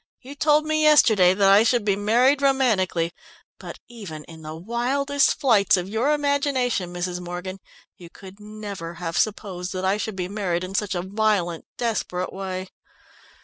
"You told me yesterday that I should be married romantically, but even in the wildest flights of your imagination, Mrs. Morgan, you could never have supposed that I should be married in such a violent, desperate way.